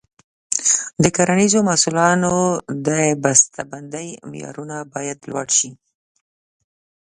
د کرنیزو محصولاتو د بسته بندۍ معیارونه باید لوړ شي.